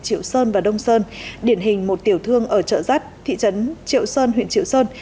triệu sơn và đông sơn điển hình một tiểu thương ở chợ rắt thị trấn triệu sơn huyện triệu sơn